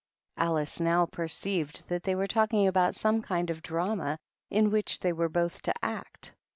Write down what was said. Alice now perceived that they were talking about some kind of drama in which they were both to act.